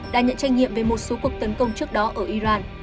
đã nhận trách nhiệm về một số cuộc tấn công trước đó ở iran